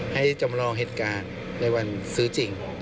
ให้จำลองเหตุการณ์ในวันซื้อจริง